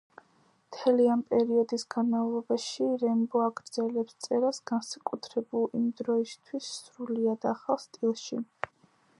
მთელი ამ პერიოდის განმავლობაში რემბო აგრძელებს წერას განსაკუთრებულ, იმ დროისთვის სრულიად ახალ სტილში.